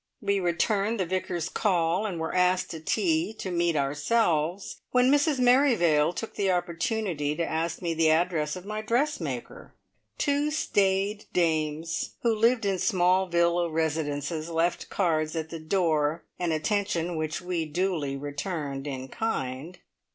We returned the Vicar's call, and were asked to tea to meet ourselves, when Mrs Merrivale took the opportunity to ask me the address of my dressmaker! Two staid dames, who lived in small villa residences, left cards at the door, an attention which we duly returned in kind.